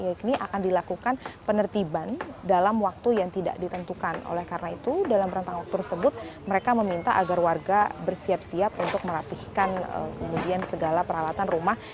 ini akan dilakukan penertiban dalam waktu yang tidak ditentukan oleh karena itu dalam rentang waktu tersebut mereka meminta agar warga bersiap siap untuk merapihkan kemudian segala peralatan rumah